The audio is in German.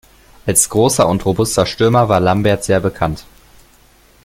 Als großer und robuster Stürmer war Lambert sehr bekannt.